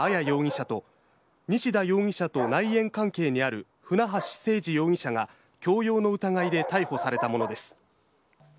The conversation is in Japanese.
容疑者と西田容疑者と内縁関係にある船橋誠二容疑者が強要の疑いで逮捕されたものです。